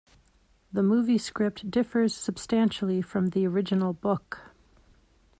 The movie script differs substantially from the original book.